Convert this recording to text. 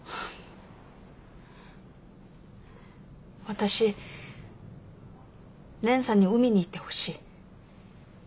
私蓮さんに海に行ってほしい。